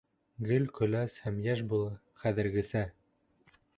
Гел көләс һәм йәш бул хәҙергесә!